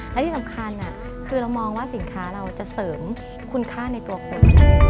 และที่สำคัญคือเรามองว่าสินค้าเราจะเสริมคุณค่าในตัวคน